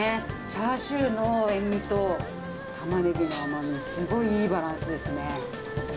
チャーシューの塩味とたまねぎの甘み、すごいいいバランスですね。